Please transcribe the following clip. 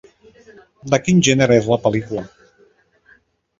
De quin gènere és la pel·lícula?